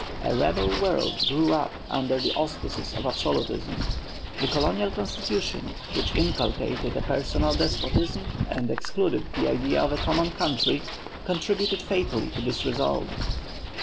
A rebel world grew up under the auspices of absolutism. The colonial constitution, which inculcated a personal despotism and excluded the idea of a common country, contributed fatally to this result.